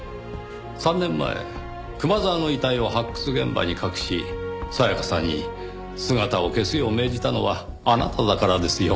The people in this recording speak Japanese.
３年前熊沢の遺体を発掘現場に隠し沙耶香さんに姿を消すよう命じたのはあなただからですよ。